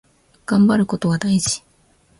がんばることは大事。